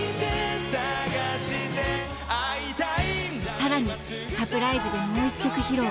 更にサプライズでもう１曲披露。